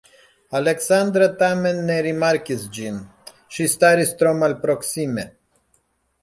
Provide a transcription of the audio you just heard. Aleksandra tamen ne rimarkis ĝin; ŝi staris tro malproksime.